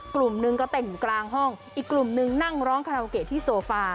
กลุ่มหนึ่งก็เต้นอยู่กลางห้องอีกกลุ่มนึงนั่งร้องคาราโอเกะที่โซฟา